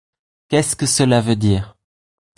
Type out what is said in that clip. Qu'est-ce que cela veut dire ?